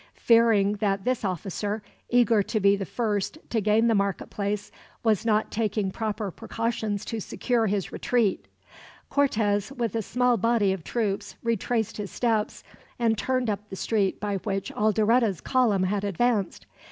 Fearing that this officer, eager to be the first to gain the marketplace, was not taking proper precautions to secure his retreat; Cortez, with a small body of troops, retraced his steps, and turned up the street by which Alderete's column had advanced.